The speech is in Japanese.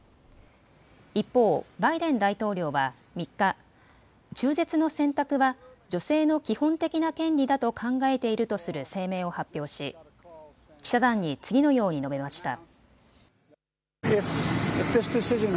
一方、バイデン大統領は３日、中絶の選択は女性の基本的な権利だと考えているとする声明を発表し記者団に次のように述べました。